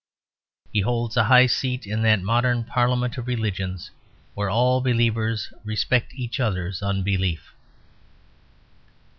He holds a high seat in that modern Parliament of Religions where all believers respect each other's unbelief.